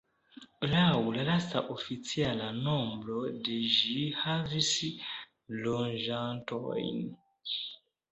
Laŭ la lasta oficiala nombro de ĝi havis loĝantojn.